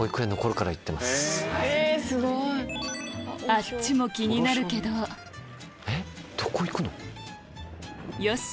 あっちも気になるけどよし！